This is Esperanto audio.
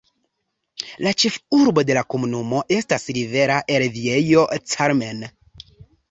La ĉefurbo de la komunumo estas Rivera el Viejo Carmen.